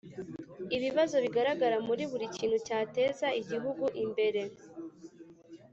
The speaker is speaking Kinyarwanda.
Ibibazo bigaragara muri buri kintu cyateza igihugu imbere